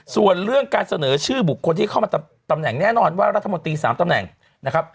ส่วนเรื่องการเสนอชื่อบุคคลที่เข้ามาตำแหน่งแน่นอนว่ารัฐมนตรี๓ตำแหน่งนะครับ